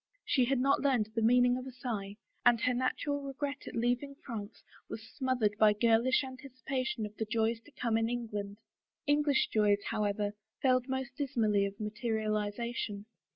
She had not learned the mean ing of a sigh, and her natural regret at leaving France 14 A BROKEN BETROTHAL was smothered by girlish anticipation of the joys to come in England. English joys, however, failed most dismally of mate rialization.